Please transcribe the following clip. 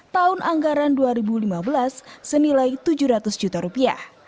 tahun anggaran dua ribu lima belas senilai tujuh ratus juta rupiah